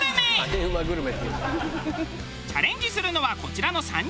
チャレンジするのはこちらの３人。